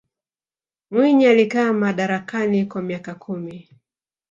mwinyi alikaa madarakani kwa miaka kumi